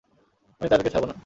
আমি তাদেরকে ছাড়বো না।